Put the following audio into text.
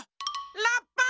ラッパ！